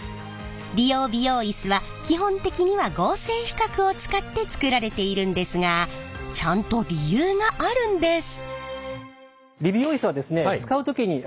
理容・美容イスは基本的には合成皮革を使って作られているんですがちゃんと理由があるんです。